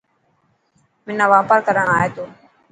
منا واپار ڪرڻ آئي ٿو.